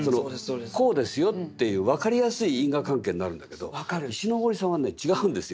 こうですよっていう分かりやすい因果関係になるんだけど石森さんはね違うんですよ。